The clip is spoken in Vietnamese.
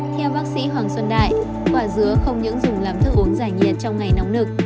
theo bác sĩ hoàng xuân đại quả dứa không những dùng làm thức uống giải nhiệt trong ngày nóng nực